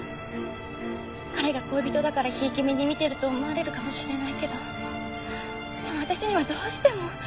彼が恋人だからひいき目に見てると思われるかもしれないけどでも私にはどうしても。